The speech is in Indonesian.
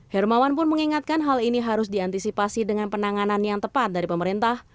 hermawan pun mengingatkan hal ini harus diantisipasi dengan penanganan yang tepat dari pemerintah